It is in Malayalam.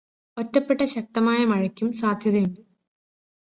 ഒറ്റപ്പെട്ട ശക്തമായ മഴക്കും സാധ്യതയുണ്ട്.